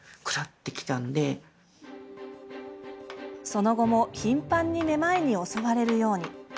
その後も頻繁にめまいに襲われるように。